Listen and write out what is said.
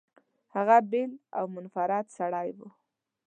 هغه بېل او منفرد سړی و.